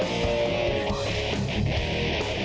ฟ้ายเตอร์